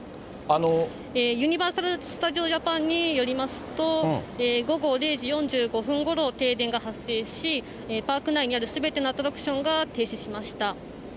ユニバーサル・スタジオ・ジャパンによりますと、午後０時４５分ごろ、停電が発生し、パーク内にあるすべてのアトラクションが停止しました。